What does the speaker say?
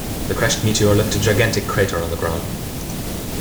The crashed meteor left a gigantic crater on the ground.